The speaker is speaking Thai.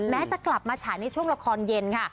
จะกลับมาฉายในช่วงละครเย็นค่ะ